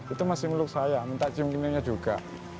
itu masih meluk saya minta cium ciumnya juga